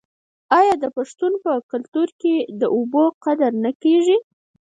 آیا د پښتنو په کلتور کې د اوبو قدر نه کیږي؟